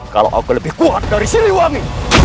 kalau aku lebih kuat dari siliwangi